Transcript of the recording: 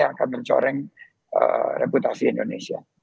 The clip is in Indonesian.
yang akan mencoreng reputasi indonesia